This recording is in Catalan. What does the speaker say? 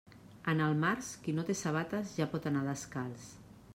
En el març, qui no té sabates ja pot anar descalç.